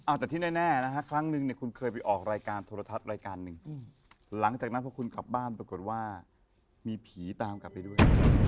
เอาแต่ที่แน่นะฮะครั้งนึงเนี่ยคุณเคยไปออกรายการโทรทัศน์รายการหนึ่งหลังจากนั้นพอคุณกลับบ้านปรากฏว่ามีผีตามกลับไปด้วย